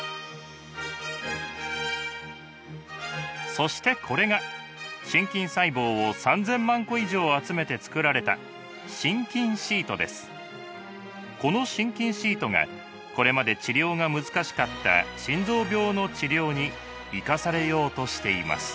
そしてこれが心筋細胞を３，０００万個以上集めてつくられたこの心筋シートがこれまで治療が難しかった心臓病の治療に生かされようとしています。